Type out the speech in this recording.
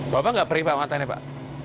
bapak nggak perih pangkatannya pak